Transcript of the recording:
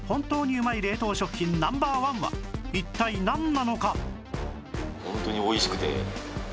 一体なんなのか？